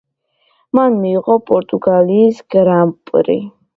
მან მიიღო პორტუგალიის გრან-პრი.